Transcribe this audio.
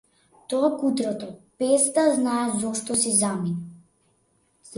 Тоа кутрото, без да знае зошто, си замина.